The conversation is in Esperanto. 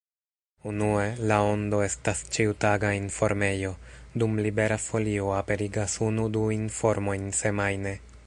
Unue, La Ondo estas ĉiutaga informejo, dum Libera Folio aperigas unu-du informojn semajne.